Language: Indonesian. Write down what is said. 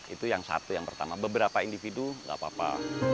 itu yang satu yang pertama beberapa individu nggak apa apa